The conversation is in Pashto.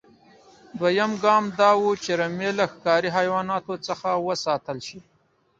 دویم ګام دا و چې رمې له ښکاري حیواناتو څخه وساتل شي.